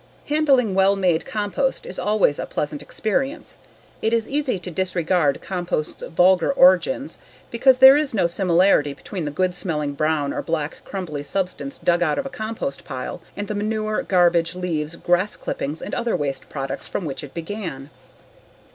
Handling well made compost is always a pleasant experience. It is easy to disregard compost's vulgar origins because there is no similarity between the good smelling brown or black crumbly substance dug out of a compost pile and the manure, garbage, leaves, grass clippings and other waste products from which it began.